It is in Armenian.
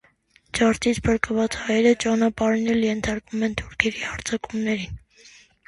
Ջարդից փրկված հայերը ճանապարհին էլ ենթարկվում են թուրքերի հարձակումներին։